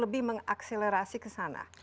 lebih mengakselerasi ke sana